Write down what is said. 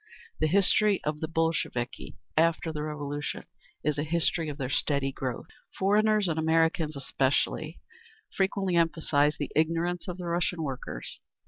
The history of the Bolsheviki, after the Revolution, is a history of their steady growth…. Foreigners, and Americans especially, frequently emphasise the "ignorance" of the Russian workers.